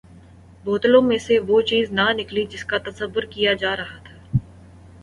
بوتلوں میں سے وہ چیز نہ نکلی جس کا تصور کیا جا رہا تھا۔